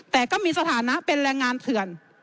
แต่ก็มีสถานะเป็นแรงงานเถื่อน